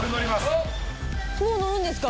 もう乗るんですか？